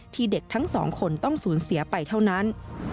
เด็กทั้งสองคนต้องสูญเสียไปเท่านั้น